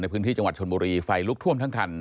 พื้นที่จังหวัดชนบุรีไฟลุกท่วมทั้งคัน